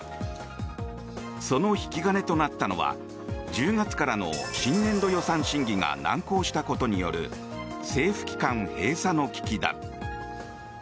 その引き金となったのは１０月からの新年度予算審議が難航したことによる政府機関閉鎖の危機だ。